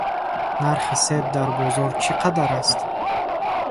Нархи себ дар бозор чӣ қадар аст?